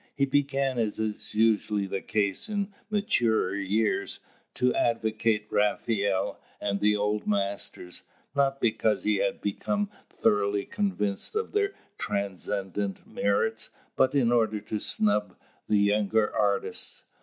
He began, as is usually the case in maturer years, to advocate Raphael and the old masters, not because he had become thoroughly convinced of their transcendent merits, but in order to snub the younger artists.